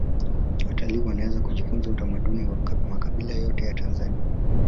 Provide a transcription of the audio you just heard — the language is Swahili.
watalii wanaweza kujifunza utamaduni wa makabila yote ya tanzania